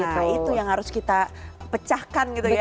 nah itu yang harus kita pecahkan gitu ya